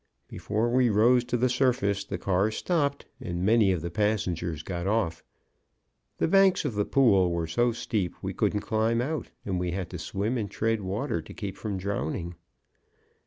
Before we rose to the surface the car stopped, and many of the passengers got off. The banks of the pool were so steep we couldn't climb out, and we had to swim and tread water to keep from drowning.